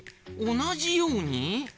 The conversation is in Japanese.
おなじように？